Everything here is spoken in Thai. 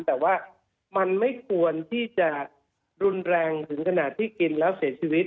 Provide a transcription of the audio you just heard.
แต่ว่ามันไม่ควรที่จะรุนแรงถึงขนาดที่กินแล้วเสียชีวิต